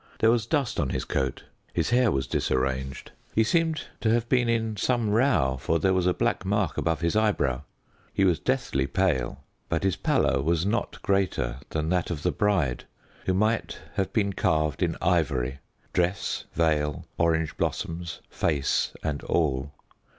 There was dust on his coat, his hair was disarranged. He seemed to have been in some row, for there was a black mark above his eyebrow. He was deathly pale. But his pallor was not greater than that of the bride, who might have been carved in ivory dress, veil, orange blossoms, face and all.